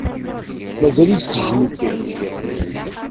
Mazal-itt tejjem-ikem.